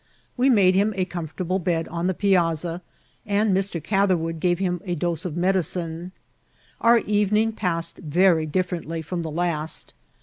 We made him a comfortable bed on the piazza, and Mr. Catherwood gave him a dose of medicine* Our evening passed very differently from the last.